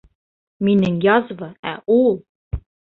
Минең язва, ә ул...